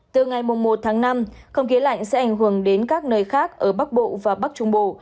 từ ngày một tháng năm không khí lạnh sẽ ảnh hưởng đến các nơi khác ở bắc bộ và bắc trung bộ